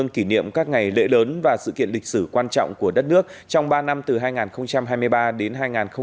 kỷ niệm các ngày lễ lớn và sự kiện lịch sử quan trọng của đất nước trong ba năm từ hai nghìn hai mươi ba đến hai nghìn hai mươi năm